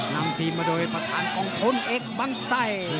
นำพลิกมาโดยประทานกล้องผลเอ็กต์บภังไสต์